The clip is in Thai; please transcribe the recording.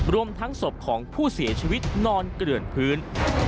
รวมทั้งศพของผู้เสียชีวิตนอนเกลื่อนพื้น